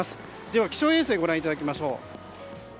では気象衛星をご覧いただきましょう。